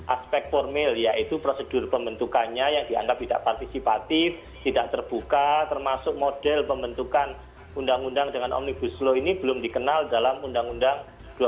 aspek formil yaitu prosedur pembentukannya yang dianggap tidak partisipatif tidak terbuka termasuk model pembentukan undang undang dengan omnibus law ini belum dikenal dalam undang undang dua ribu